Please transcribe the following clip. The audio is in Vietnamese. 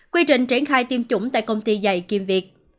quy trình triển khai tiêm chủng tại công ty dạy kiêm việc